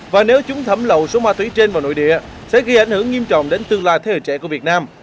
và nếu chúng thẩm lậu số ma túy trên vào nội địa sẽ gây ảnh hưởng nghiêm trọng đến tương lai thế hệ trẻ của việt nam